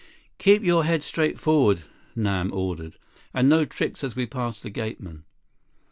"Keep your head straight forward," Nam ordered. "And no tricks as we pass the gateman."